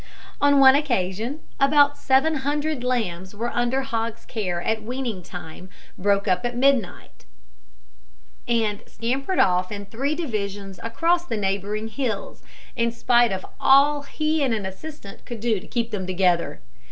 On one occasion about seven hundred lambs which were under Hogg's care at weaning time broke up at midnight, and scampered off in three divisions across the neighbouring hills, in spite of all he and an assistant could do to keep them together.